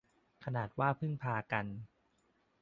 ขนาดว่าพึ่งพากัน